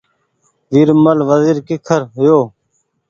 ويرمل وزيرڪيکرهيو